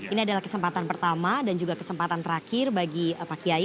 ini adalah kesempatan pertama dan juga kesempatan terakhir bagi pak kiai